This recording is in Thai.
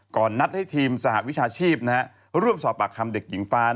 ก่อนนัดให้ทีมสหวิชาชีพร่วมสอบปากคำเด็กหญิงฟ้าน